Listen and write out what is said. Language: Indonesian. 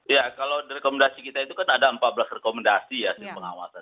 ya kalau rekomendasi kita itu kan ada empat belas rekomendasi ya pengawasan